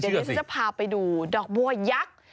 เดี๋ยวนี้ฉันจะพาไปดูดอกบัวยักษ์